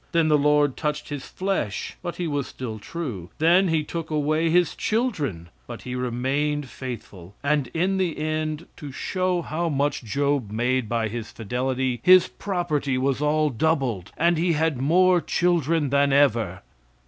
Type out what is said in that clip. Then the Lord touched his flesh, but he was still true. Then he took away his children, but he remained faithful, and in the end, to show how much Job made by his fidelity, his property was all doubled, and he had more children than ever.